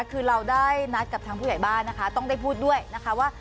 คือเราได้นัดกับทางผู้ใหญ่บ้านนะคะต้องได้พูดด้วยนะคะว่า